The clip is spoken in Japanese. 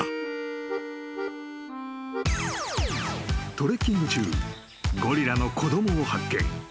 ［トレッキング中ゴリラの子供を発見］